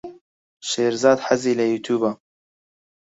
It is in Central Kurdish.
شێرزاد حەزی لە یووتیووبە.